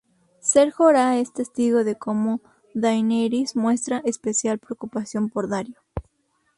Ser Jorah es testigo de cómo Daenerys muestra especial preocupación por Daario.